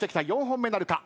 ４本目なるか。